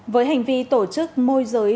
với hành vi tổ chức môi giới